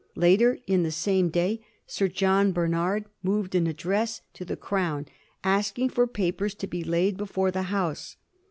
Later in the same day Sir John Barnard moved an Address to the Crown, asking for papers to be laid before the House.